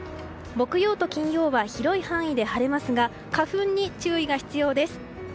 木曜と金曜は広い範囲で晴れますが花粉に注意が必要です。